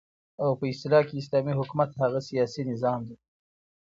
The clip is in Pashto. او په اصطلاح كې اسلامي حكومت هغه سياسي نظام دى